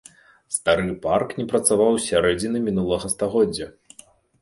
Стары парк не працаваў з сярэдзіны мінулага стагоддзя.